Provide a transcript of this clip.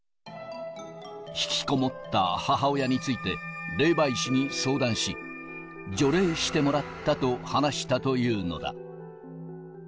引きこもった母親について、霊媒師に相談し、除霊してもらったと話したというのだ。